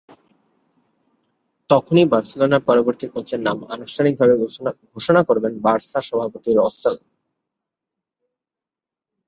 তখনই বার্সেলোনার পরবর্তী কোচের নাম আনুষ্ঠানিকভাবে ঘোষণা করবেন বার্সা সভাপতি রসেল।